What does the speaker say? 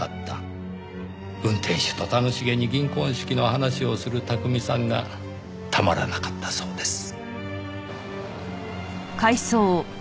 運転手と楽しげに銀婚式の話をする巧さんがたまらなかったそうです。